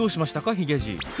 ヒゲじい。